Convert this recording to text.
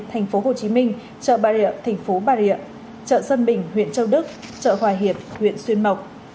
tp hcm chợ bà rịa tp bà rịa chợ sơn bình huyện châu đức chợ hòa hiệp huyện xuyên mộc